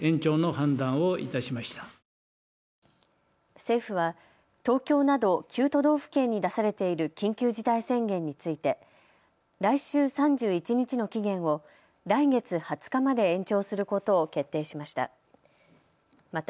政府は東京など９都道府県に出されている緊急事態宣言について来週３１日の期限を来月２０日まで延長することを決定しました。